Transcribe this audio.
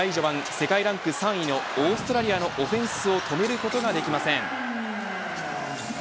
世界ランク３位のオーストラリアのオフェンスを止めることができません。